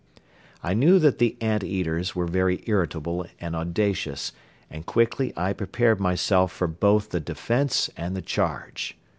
I knew that the "ant eaters" were very irritable and audacious and quickly I prepared myself for both the defence and the charge.